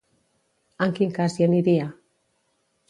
En quin cas hi aniria?